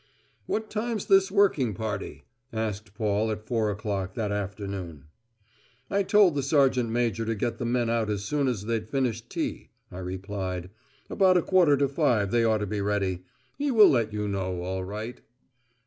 "What time's this working party?" asked Paul at four o'clock that afternoon. "I told the sergeant major to get the men out as soon as they'd finished tea," I replied. "About a quarter to five they ought to be ready. He will let you know all right."